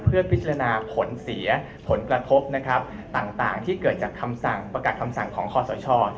เพื่อพิจารณาผลเสียผลกระทบต่างที่เกิดจากประกาศทำสั่งของคศภ